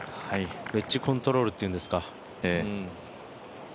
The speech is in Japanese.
ウェッジコントロールっていうんですか。